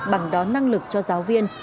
bằng đó năng lực cho giáo viên